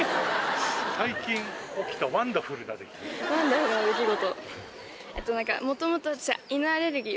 ワンダフルな出来事。